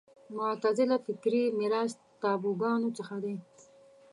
معتزله فکري میراث تابوګانو څخه دی